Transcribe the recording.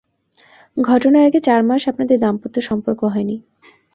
ঘটনার আগে চারমাস আপনাদের দাম্পত্য সম্পর্ক হয়নি।